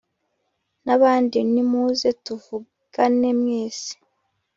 nabandi numuze tuvugane mwese